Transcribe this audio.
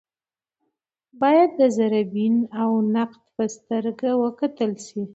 باید د ذره بین او نقد په سترګه وکتل شي